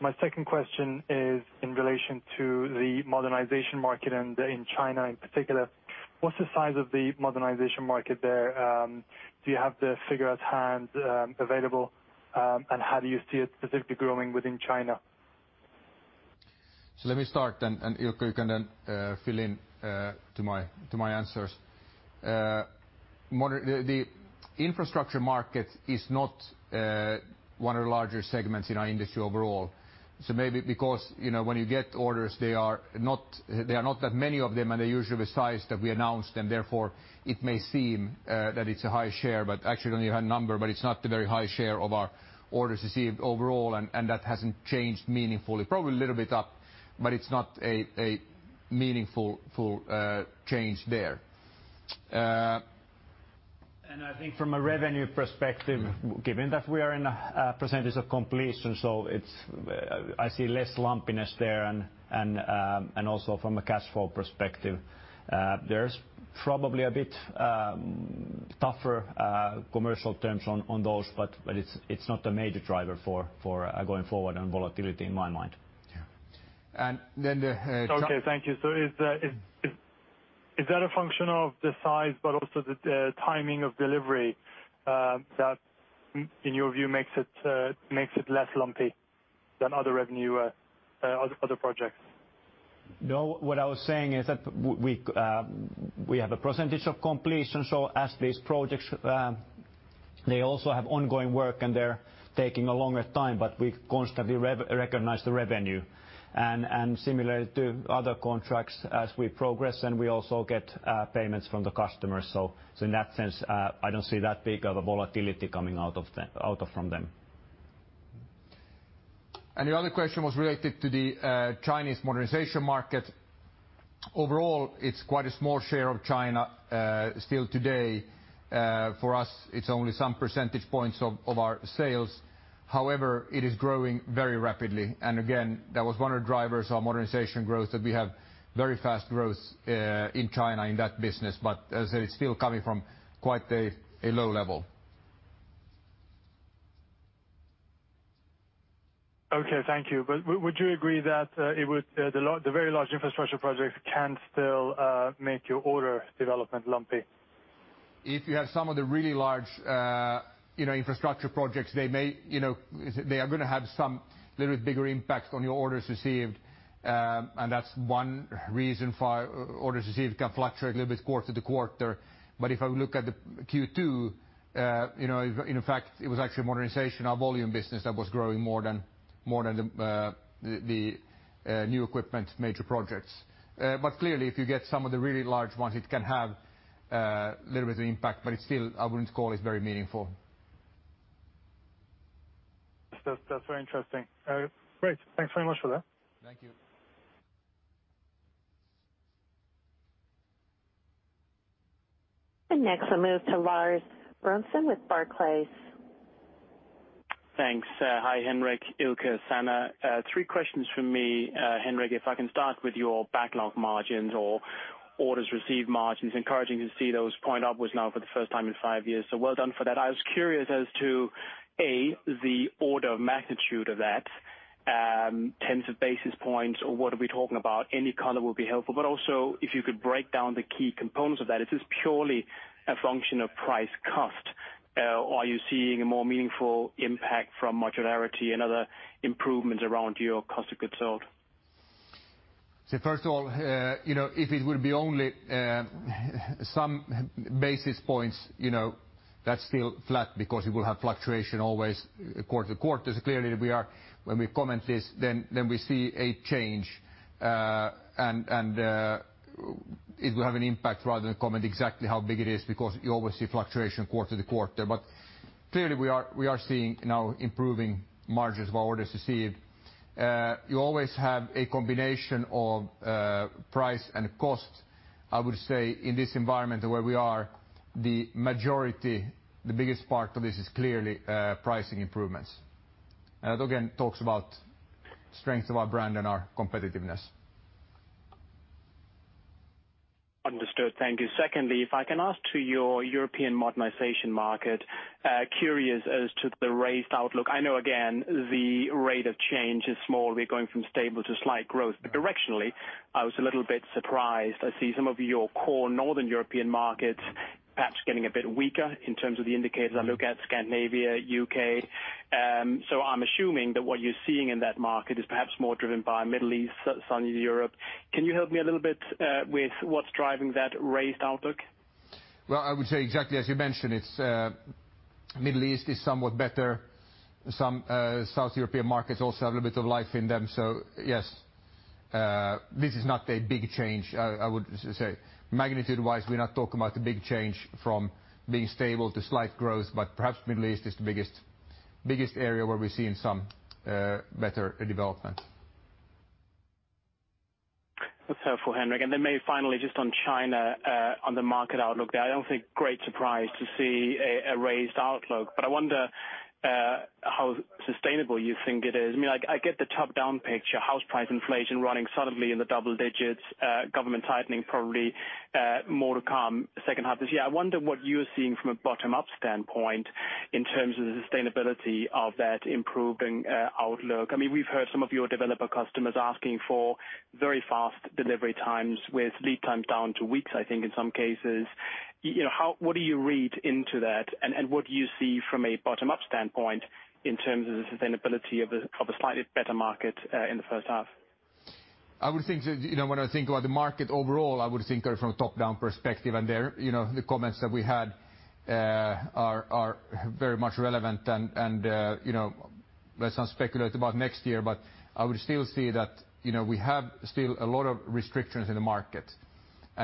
My second question is in relation to the modernization market and in China in particular. What's the size of the modernization market there? Do you have the figure at hand available? How do you see it specifically growing within China? Let me start, and Ilkka, you can then fill in to my answers. The infrastructure market is not one of the larger segments in our industry overall. Maybe because when you get orders, they are not that many of them, and they're usually the size that we announced, and therefore, it may seem that it's a high share. Actually, when you have a number, but it's not the very high share of our orders received overall, and that hasn't changed meaningfully. Probably a little bit up, but it's not a meaningful change there. I think from a revenue perspective, given that we are in a percentage of completion, I see less lumpiness there. Also from a cash flow perspective, there's probably a bit tougher commercial terms on those, but it's not a major driver for going forward on volatility in my mind. Yeah. Then the- Okay, thank you. Is that a function of the size, but also the timing of delivery that, in your view, makes it less lumpy than other projects? No, what I was saying is that we have a percentage of completion, as these projects, they also have ongoing work and they're taking a longer time, but we constantly recognize the revenue. Similar to other contracts as we progress, and we also get payments from the customer. In that sense, I don't see that big of a volatility coming out from them. Your other question was related to the Chinese modernization market. Overall, it's quite a small share of China. Still today, for us, it's only some percentage points of our sales. However, it is growing very rapidly. Again, that was one of the drivers of modernization growth that we have very fast growth in China in that business. As I said, it's still coming from quite a low level. Okay, thank you. Would you agree that the very large infrastructure projects can still make your order development lumpy? If you have some of the really large infrastructure projects, they are going to have some little bigger impact on your orders received. That's one reason for orders received can fluctuate a little bit quarter to quarter. If I look at the Q2, in fact, it was actually modernization, our volume business that was growing more than the new equipment major projects. Clearly, if you get some of the really large ones, it can have a little bit of impact, but it's still, I wouldn't call it very meaningful. That's very interesting. Great. Thanks very much for that. Thank you. Next I move to Lars Brorson with Barclays. Thanks. Hi, Henrik, Ilkka, Sanna. Three questions from me. Henrik, if I can start with your backlog margins or orders received margins. Encouraging to see those point upwards now for the first time in five years. Well done for that. I was curious as to, A, the order of magnitude of that, tens of basis points, or what are we talking about? Any color will be helpful, but also if you could break down the key components of that. Is this purely a function of price cost, or are you seeing a more meaningful impact from modularity and other improvements around your cost of goods sold? First of all, if it will be only some basis points, that's still flat because you will have fluctuation always quarter-over-quarter. Clearly when we comment this, then we see a change, and it will have an impact rather than comment exactly how big it is, because you always see fluctuation quarter-over-quarter. Clearly we are seeing now improving margins of our orders received. You always have a combination of price and cost. I would say in this environment where we are, the majority, the biggest part of this is clearly pricing improvements. That again talks about strength of our brand and our competitiveness. Understood. Thank you. Secondly, if I can ask to your European modernization market, curious as to the raised outlook. I know, again, the rate of change is small. We're going from stable to slight growth. Directionally, I was a little bit surprised. I see some of your core northern European markets perhaps getting a bit weaker in terms of the indicators I look at, Scandinavia, U.K. I'm assuming that what you're seeing in that market is perhaps more driven by Middle East, Southern Europe. Can you help me a little bit with what's driving that raised outlook? I would say exactly as you mentioned, Middle East is somewhat better. Some South European markets also have a little bit of life in them. Yes, this is not a big change, I would say. Magnitude-wise, we're not talking about a big change from being stable to slight growth, but perhaps Middle East is the biggest area where we're seeing some better development. That's helpful, Henrik. Maybe finally, just on China, on the market outlook there, I don't think great surprise to see a raised outlook, but I wonder how sustainable you think it is. I get the top-down picture, house price inflation running suddenly in the double digits, government tightening probably more to come second half this year. I wonder what you're seeing from a bottom-up standpoint in terms of the sustainability of that improving outlook. We've heard some of your developer customers asking for very fast delivery times with lead times down to weeks, I think, in some cases. What do you read into that, what do you see from a bottom-up standpoint in terms of the sustainability of a slightly better market in the first half? When I think about the market overall, I would think from a top-down perspective, there the comments that we had are very much relevant. Let's not speculate about next year, but I would still see that we have still a lot of restrictions in the market.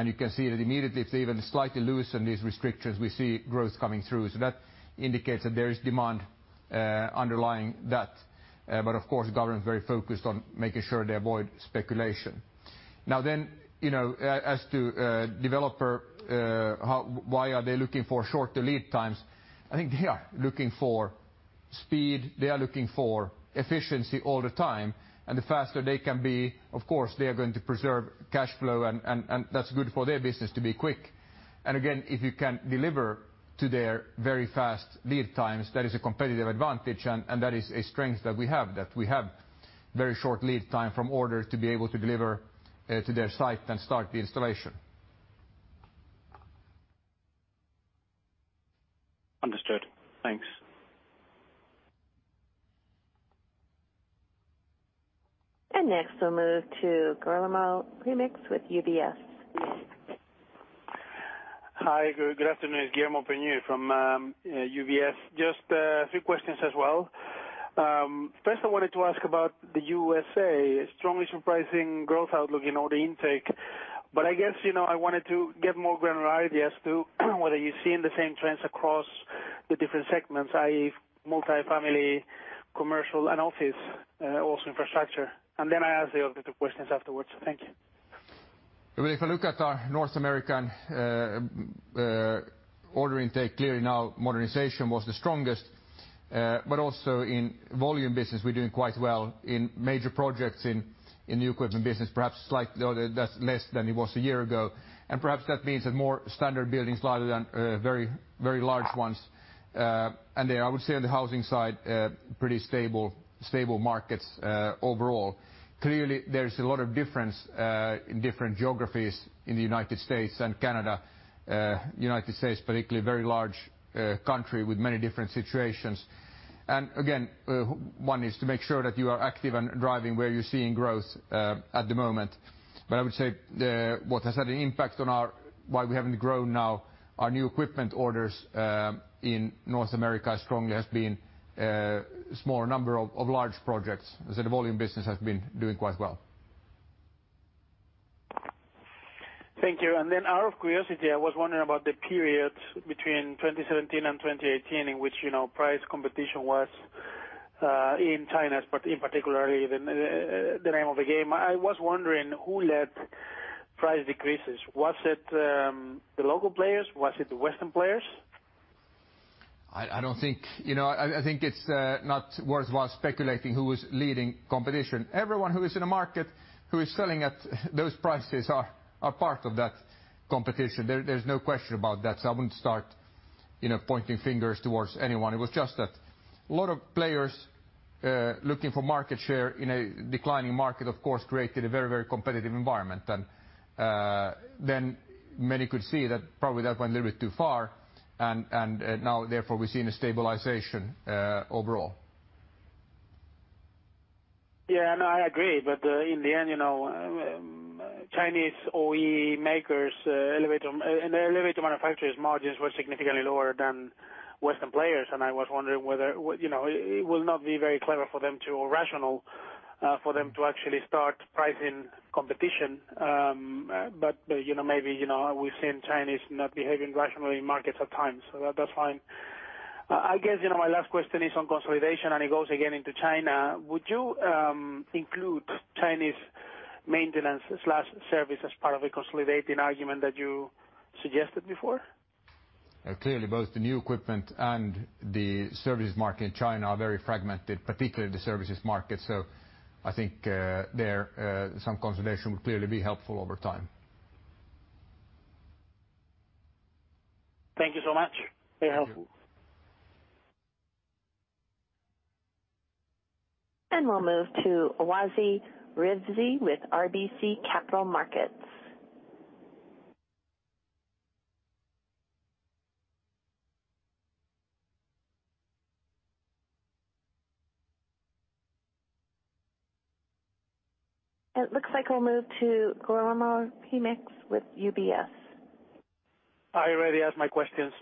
You can see that immediately if they even slightly loosen these restrictions, we see growth coming through. That indicates that there is demand underlying that. Of course, government's very focused on making sure they avoid speculation. As to developer, why are they looking for short lead times? I think they are looking for speed, they are looking for efficiency all the time, the faster they can be, of course, they are going to preserve cash flow, and that's good for their business to be quick. Again, if you can deliver to their very fast lead times, that is a competitive advantage, that is a strength that we have, that we have very short lead time from order to be able to deliver to their site and start the installation. Understood. Thanks. Next we'll move to Guillermo Peigneux with UBS. Hi, good afternoon. Guillermo Peigneux from UBS. Just a few questions as well. First, I wanted to ask about the U.S.A. Strongly surprising growth outlook in order intake. I guess, I wanted to get more granular idea as to whether you're seeing the same trends across the different segments, i.e. multifamily, commercial, and office, also infrastructure. Then I ask the other two questions afterwards. Thank you. If you look at our North American order intake, clearly now modernization was the strongest. Also in volume business, we're doing quite well in major projects in new equipment business, perhaps that's less than it was a year ago. Perhaps that means that more standard buildings rather than very large ones. I would say on the housing side, pretty stable markets overall. Clearly, there is a lot of difference in different geographies in the U.S. and Canada. U.S. particularly, very large country with many different situations. Again, one is to make sure that you are active and driving where you're seeing growth at the moment. I would say what has had an impact on why we haven't grown now our new equipment orders in North America strongly has been smaller number of large projects. As the volume business has been doing quite well. Thank you. Then out of curiosity, I was wondering about the period between 2017 and 2018 in which price competition was in China, in particularly the name of the game. I was wondering who led price decreases. Was it the local players? Was it the Western players? I think it's not worthwhile speculating who was leading competition. Everyone who is in a market, who is selling at those prices are part of that competition. There's no question about that. I wouldn't start pointing fingers towards anyone. It was just that a lot of players looking for market share in a declining market, of course, created a very competitive environment. Many could see that probably that went a little bit too far, and now therefore we're seeing a stabilization overall. Yeah, no, I agree. In the end, Chinese OE makers, elevator manufacturers' margins were significantly lower than Western players. I was wondering whether, it will not be very clever for them to, or rational for them to actually start pricing competition. Maybe, we've seen Chinese not behaving rationally in markets at times. That's fine. I guess, my last question is on consolidation, and it goes again into China. Would you include Chinese maintenance/service as part of a consolidating argument that you suggested before? Clearly, both the new equipment and the services market in China are very fragmented, particularly the services market. I think there some consolidation would clearly be helpful over time. Thank you so much. Very helpful. We'll move to Wasi Rizvi with RBC Capital Markets. It looks like we'll move to Guillermo Peigneux with UBS. I already asked my questions.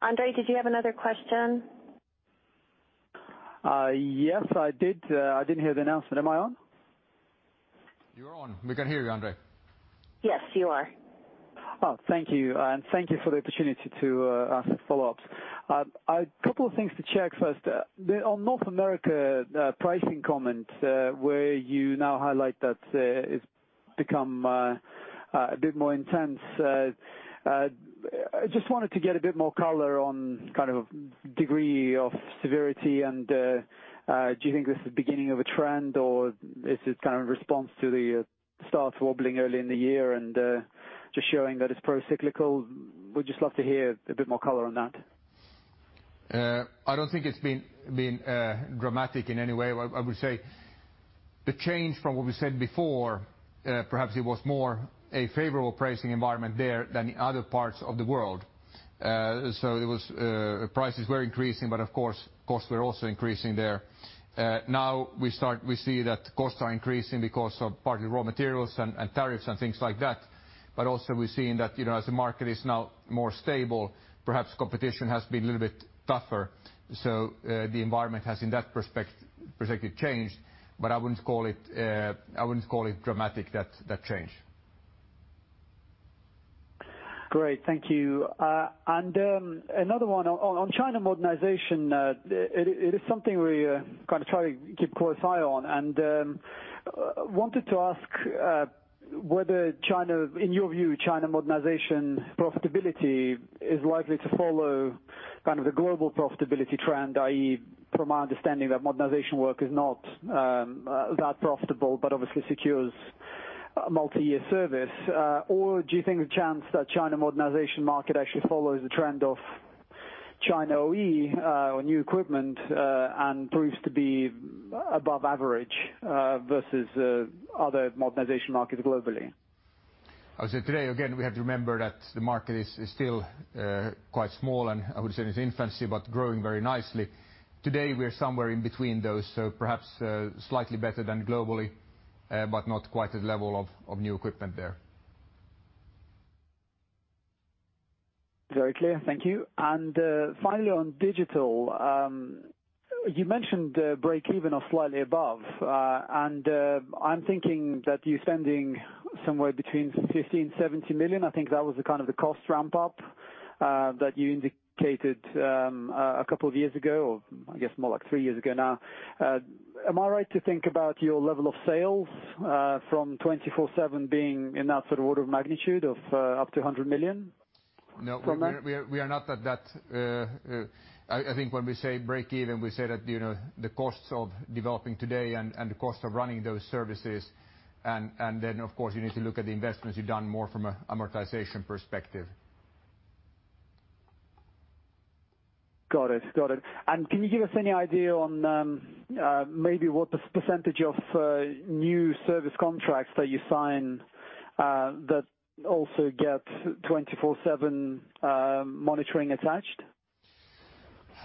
Andre, did you have another question? Yes, I did. I didn't hear the announcement. Am I on? You're on. We can hear you, Andre. Yes, you are. Oh, thank you. Thank you for the opportunity to ask follow-ups. A couple of things to check first. On North America pricing comment, where you now highlight that it's become a bit more intense. I just wanted to get a bit more color on degree of severity and do you think this is the beginning of a trend, or is this kind of response to the start wobbling early in the year and just showing that it's procyclical? Would just love to hear a bit more color on that. I don't think it's been dramatic in any way. I would say the change from what we said before, perhaps it was more a favorable pricing environment there than the other parts of the world. Prices were increasing, but of course, costs were also increasing there. Now we see that costs are increasing because of partly raw materials and tariffs and things like that. Also we're seeing that as the market is now more stable, perhaps competition has been a little bit tougher. The environment has in that perspective changed, but I wouldn't call it dramatic that change. Great. Thank you. Another one on China modernization. It is something we try to keep a close eye on, and wanted to ask whether, in your view, China modernization profitability is likely to follow the global profitability trend, i.e., from my understanding that modernization work is not that profitable, but obviously secures multi-year service. Do you think the chance that China modernization market actually follows the trend of China OE or new equipment, and proves to be above average versus other modernization markets globally? I would say today, again, we have to remember that the market is still quite small, and I would say in its infancy, but growing very nicely. Today, we are somewhere in between those, so perhaps slightly better than globally, but not quite at the level of new equipment there. Very clear. Thank you. Finally on digital, you mentioned breakeven or slightly above. I'm thinking that you're spending somewhere between 15 million-17 million. I think that was the cost ramp-up that you indicated a couple of years ago, or I guess more like three years ago now. Am I right to think about your level of sales from 24/7 being in that sort of order of magnitude of up to 100 million from that? No, we are not at that. I think when we say breakeven, we say that the costs of developing today and the cost of running those services and then, of course, you need to look at the investments you've done more from an amortization perspective. Got it. Can you give us any idea on maybe what the percentage of new service contracts that you sign that also get 24/7 monitoring attached?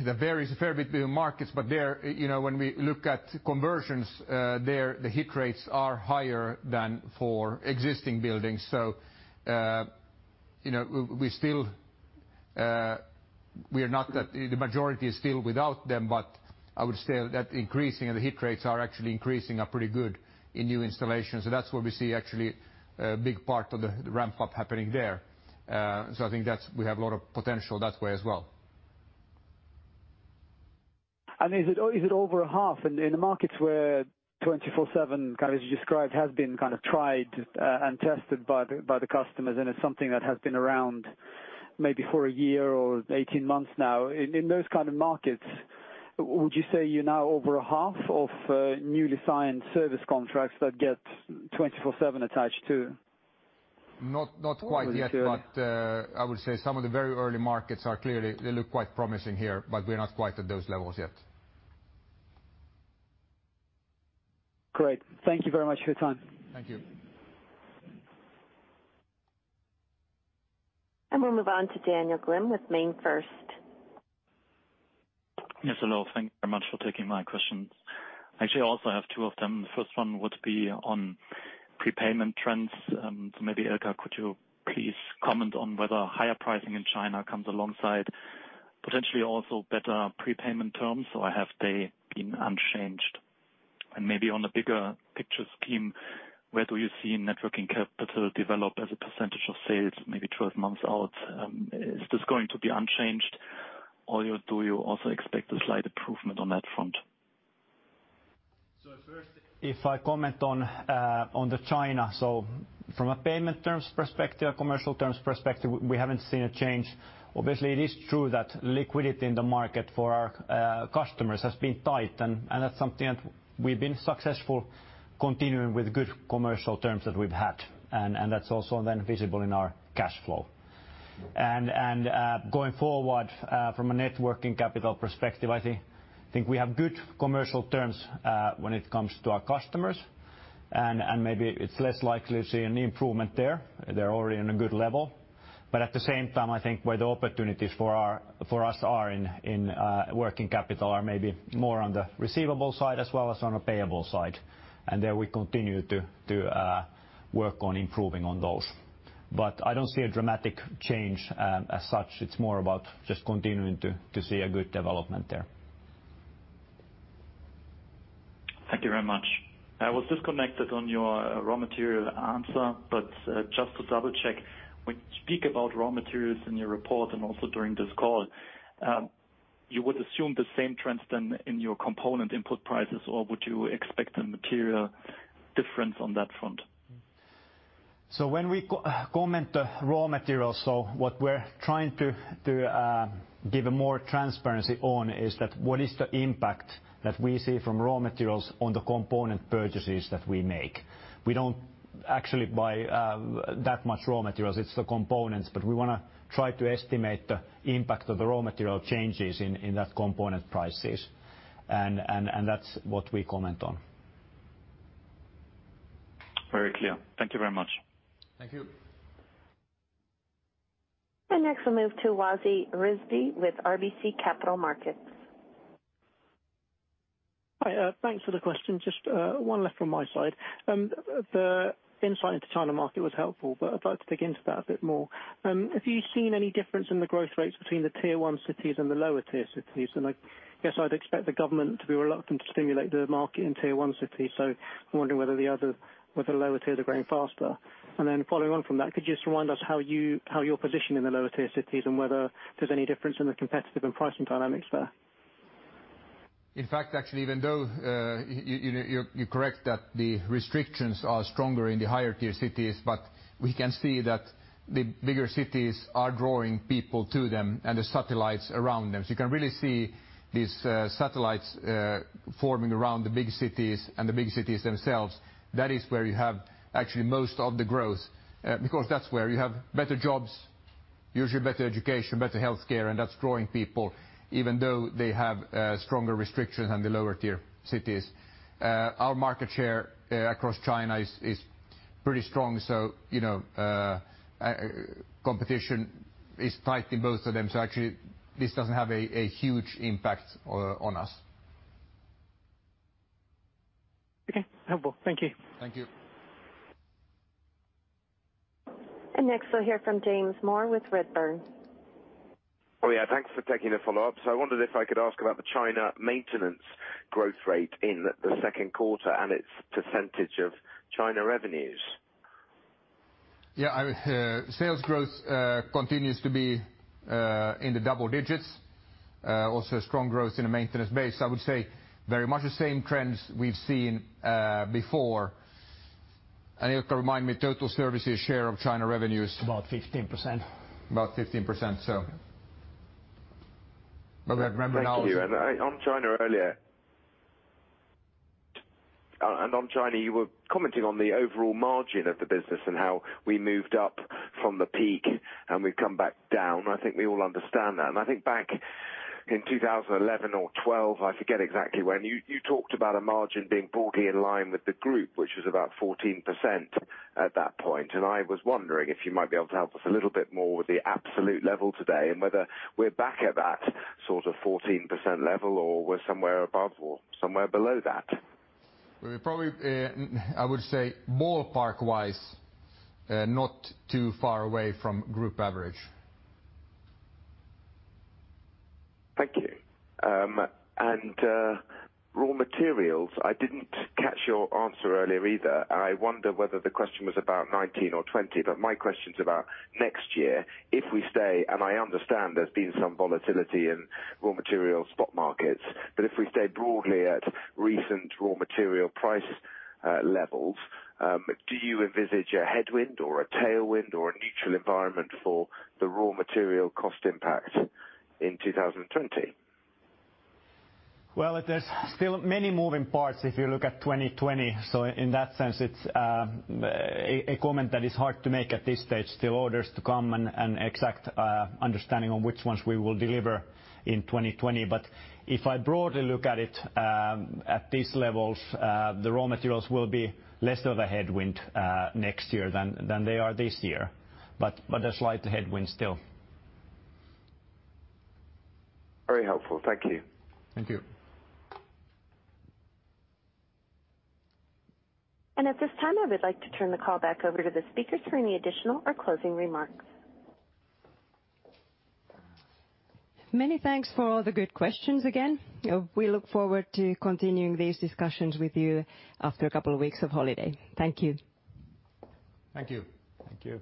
That varies a fair bit in markets, but there, when we look at conversions, the hit rates are higher than for existing buildings. The majority is still without them, but I would say that the hit rates are actually increasing pretty good in new installations. That's where we see actually a big part of the ramp-up happening there. I think we have a lot of potential that way as well. Is it over a half in the markets where 24/7, as you described, has been tried and tested by the customers, and it's something that has been around maybe for a year or 18 months now. In those kind of markets, would you say you're now over a half of newly signed service contracts that get 24/7 attached, too? Not quite yet, but I would say some of the very early markets look quite promising here, but we're not quite at those levels yet. Great. Thank you very much for your time. Thank you. We'll move on to Daniel Gleim with MainFirst. Yes, hello. Thank you very much for taking my questions. Actually, also I have two of them. The first one would be on prepayment trends. Maybe, Ilkka, could you please comment on whether higher pricing in China comes alongside potentially also better prepayment terms, or have they been unchanged? Maybe on the bigger picture scheme, where do you see net working capital develop as a percentage of sales, maybe 12 months out? Is this going to be unchanged or do you also expect a slight improvement on that front? First, if I comment on the China. From a payment terms perspective, commercial terms perspective, we haven't seen a change. Obviously, it is true that liquidity in the market for our customers has been tight, and that's something that we've been successful continuing with good commercial terms that we've had. That's also then visible in our cash flow. Going forward, from a net working capital perspective, I think we have good commercial terms when it comes to our customers, and maybe it's less likely to see an improvement there. They're already in a good level. At the same time, I think where the opportunities for us are in working capital are maybe more on the receivable side as well as on a payable side. There we continue to work on improving on those. I don't see a dramatic change as such. It's more about just continuing to see a good development there. Thank you very much. I was disconnected on your raw material answer, but just to double-check, when you speak about raw materials in your report and also during this call, you would assume the same trends then in your component input prices, or would you expect a material difference on that front? When we comment the raw materials, what we're trying to give a more transparency on is that what is the impact that we see from raw materials on the component purchases that we make. We don't actually buy that much raw materials. It's the components. We want to try to estimate the impact of the raw material changes in that component prices. That's what we comment on. Very clear. Thank you very much. Thank you. Next we'll move to Wasi Rizvi with RBC Capital Markets. Hi, thanks for the question. Just one left from my side. The insight into China market was helpful, but I'd like to dig into that a bit more. Have you seen any difference in the growth rates between the Tier 1 cities and the lower tier cities? I guess I'd expect the government to be reluctant to stimulate the market in Tier 1 cities, so I'm wondering whether the lower tier they're growing faster. Then following on from that, could you just remind us how you're positioned in the lower tier cities and whether there's any difference in the competitive and pricing dynamics there? Actually, even though you're correct that the restrictions are stronger in the higher tier cities, we can see that the bigger cities are drawing people to them and the satellites around them. You can really see these satellites forming around the big cities and the big cities themselves. That is where you have actually most of the growth, because that's where you have better jobs, usually better education, better healthcare, and that's drawing people, even though they have stronger restrictions than the lower tier cities. Our market share across China is pretty strong. Competition is tight in both of them. Actually, this doesn't have a huge impact on us. Okay. Helpful. Thank you. Thank you. Next we'll hear from James Moore with Redburn. Oh, yeah. Thanks for taking the follow-up. I wondered if I could ask about the China maintenance growth rate in the second quarter and its percentage of China revenues. Yeah. Sales growth continues to be in the double digits. Also strong growth in the maintenance base. I would say very much the same trends we've seen before. Ilkka remind me, total services share of China revenues. About 15%. About 15%. Thank you. On China earlier, you were commenting on the overall margin of the business and how we moved up from the peak and we've come back down. I think we all understand that. I think back in 2011 or 2012, I forget exactly when, you talked about a margin being broadly in line with the group, which was about 14% at that point. I was wondering if you might be able to help us a little bit more with the absolute level today and whether we're back at that sort of 14% level, or we're somewhere above or somewhere below that. We're probably, I would say ballpark-wise, not too far away from group average. Thank you. Raw materials, I didn't catch your answer earlier either, I wonder whether the question was about 2019 or 2020, but my question's about next year. If we stay, I understand there's been some volatility in raw material spot markets, if we stay broadly at recent raw material price levels, do you envisage a headwind or a tailwind or a neutral environment for the raw material cost impact in 2020? There's still many moving parts if you look at 2020. In that sense, it's a comment that is hard to make at this stage. Still orders to come and exact understanding on which ones we will deliver in 2020. If I broadly look at it, at these levels, the raw materials will be less of a headwind next year than they are this year. A slight headwind still. Very helpful. Thank you. Thank you. At this time, I would like to turn the call back over to the speakers for any additional or closing remarks. Many thanks for all the good questions again. We look forward to continuing these discussions with you after a couple of weeks of holiday. Thank you. Thank you. Thank you.